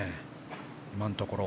今のところ。